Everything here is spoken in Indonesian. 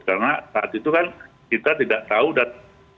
karena saat itu kan kita tidak tahu dan